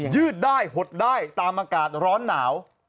ยืดได้หดได้ตามอากาศร้อนหนาว